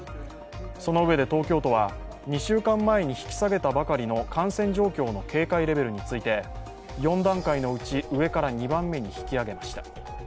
そのうえで東京都は、２週間前に引き下げたばかりの感染状況の警戒レベルについて、４段階のうち上から２番目に引き上げました。